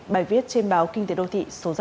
bài viết trên báo kinh tế đô thị số ra cuối tuần